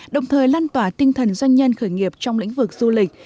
đồng thời lan tỏa tinh thần doanh nhân khởi nghiệp trong lĩnh vực du lịch